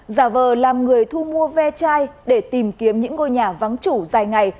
giả vờ làm người thu mua ve chai để tìm kiếm những ngôi nhà vắng chủ dài ngày